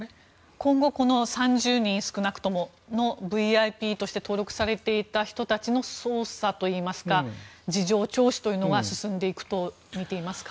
今後、３０人少なくとものＶＩＰとして登録されていた人たちの捜査といいますか事情聴取というのは進んでいくとみていますか？